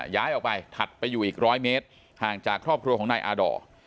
ย้ายออกไปถัดไปอยู่อีกร้อยเมตรห่างจากครอบครัวของนายอาดอร์